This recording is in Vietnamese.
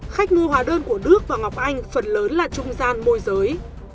khách mua hóa đơn của đức và ngọc anh phần lớn là trung gian môi giới